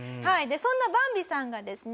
そんなバンビさんがですね